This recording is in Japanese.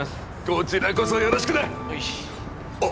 こちらこそよろしくねあっ